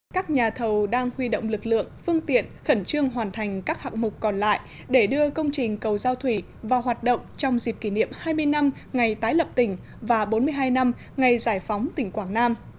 các nhà thầu đang huy động lực lượng phương tiện khẩn trương hoàn thành các hạng mục còn lại để đưa công trình cầu giao thủy vào hoạt động trong dịp kỷ niệm hai mươi năm ngày tái lập tỉnh và bốn mươi hai năm ngày giải phóng tỉnh quảng nam